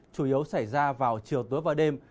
chủ yếu xảy ra vào chiều tối và đêm